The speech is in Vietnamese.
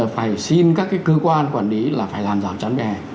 phải xin các cái cơ quan quản lý là phải làm rào chắn vỉa hè